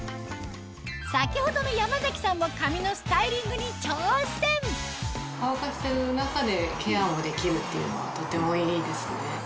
先ほどの山崎さんも髪のスタイリングに挑戦乾かしてる中でケアもできるっていうのはとてもいいですね。